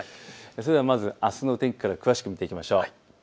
それではまずあすの天気から詳しく見ていきましょう。